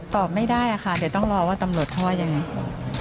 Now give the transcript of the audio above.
ตอบไม่ได้ค่ะเดี๋ยวต้องรอว่าตำรวจเขาว่ายังไง